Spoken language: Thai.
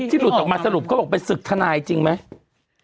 หลุดออกมาสรุปเขาบอกเป็นศึกทนายจริงไหม